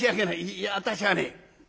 いや私はね